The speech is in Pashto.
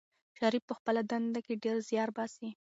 شریف په خپله دنده کې ډېر زیار باسي.